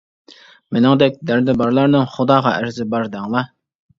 مېنىڭدەك دەردى بارلارنىڭ، خۇداغا ئەرزى بار، دەڭلار.